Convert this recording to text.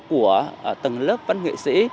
của tầng lớp văn nghệ sĩ